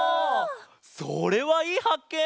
それはいいはっけん！